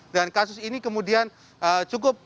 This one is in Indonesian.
dan kasus ini kemudian cukup